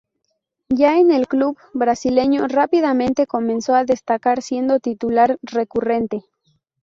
Ya en el club brasileño rápidamente comenzó a destacar siendo titular recurrente.